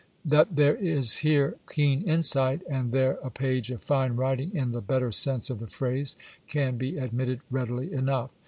^ That there is here keen insight, and there a page of fine writing in the better sense of the phrase, can be admitted readily enough.